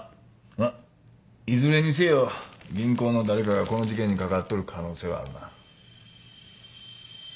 まあいずれにせよ銀行の誰かがこの事件に関わっとる可能性はあるな。